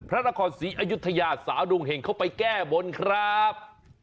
พระนครศรีอยุธยาสาวดวงเห่งเข้าไปแก้บนครับ